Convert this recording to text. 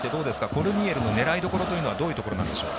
コルニエルの狙いどころどういうところなんでしょう。